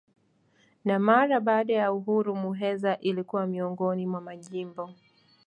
Na mara baada ya uhuru Muheza ilikuwa miongoni mwa majimbo.